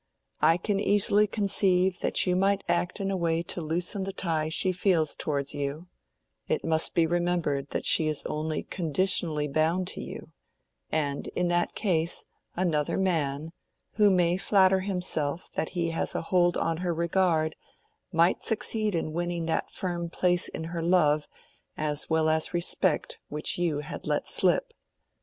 I can easily conceive that you might act in a way to loosen the tie she feels towards you—it must be remembered that she is only conditionally bound to you—and that in that case, another man, who may flatter himself that he has a hold on her regard, might succeed in winning that firm place in her love as well as respect which you had let slip.